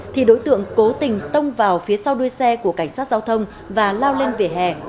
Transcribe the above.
thì đối tượng cố tình tông vào phía sau đuôi xe của cảnh sát giao thông và lao lên vỉa hè